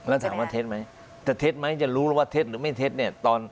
แล้วถามว่าเท็จไหมจะเท็จไหมจะรู้แล้วว่าเท็จหรือไม่เท็จเนี่ย